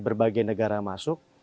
berbagai negara masuk